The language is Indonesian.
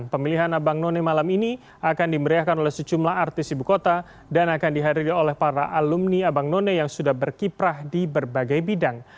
pemilihan abang none malam ini akan dimeriahkan oleh sejumlah artis ibu kota dan akan dihadiri oleh para alumni abang none yang sudah berkiprah di berbagai bidang